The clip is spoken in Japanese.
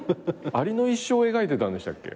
アリの一生を描いてたんでしたっけ？